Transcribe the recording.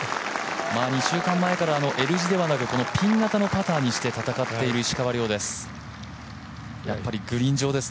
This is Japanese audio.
２週間前からピン型のパターにして戦っている石川遼です。